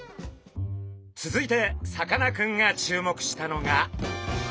続いてさかなクンが注目したのが。